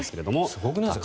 すごくないですか？